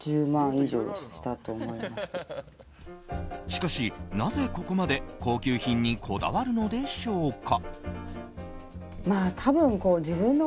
しかし、なぜここまで高級品にこだわるのでしょうか。